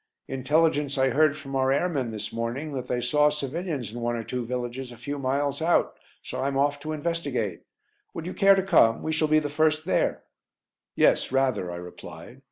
Intelligence I heard from our airmen this morning that they saw civilians in one or two villages a few miles out so I'm off to investigate. Would you care to come? We shall be the first there." "Yes, rather," I replied.